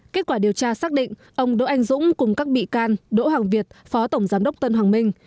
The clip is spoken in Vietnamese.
kết quả điều tra xác định ông đỗ anh dũng cùng các bị can đỗ hoàng việt phó tổng giám đốc tân hoàng minh